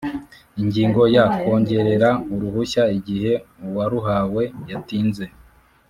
Ingingo ya Kongerera uruhushya igihe uwaruhawe yatinze.